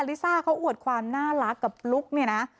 ลิซ่าเขาอวดความน่ารักกับลุ๊กเนี่ยนะ